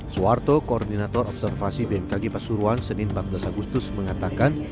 suharto koordinator observasi bmkg pasuruan senin empat belas agustus mengatakan